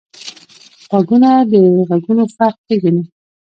غوږونه د غږونو فرق پېژني